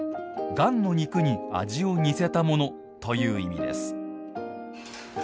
雁の肉に味を似せたものという意味です。